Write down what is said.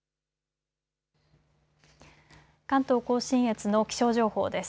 関東甲信越の気象情報です。